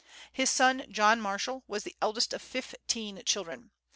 His son, John Marshall, was the eldest of fifteen children.